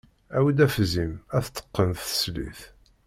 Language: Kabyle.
Awi-d afzim, ad t-teqqen teslit.